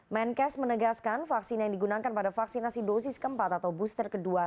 menkes menegaskan vaksin yang digunakan pada vaksinasi dosis keempat atau booster kedua